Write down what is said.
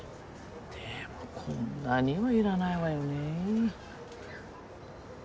でもこんなにはいらないわよね。